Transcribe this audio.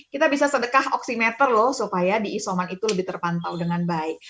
kita bisa sedekah oximeter loh supaya di isoman itu lebih terpantau dengan baik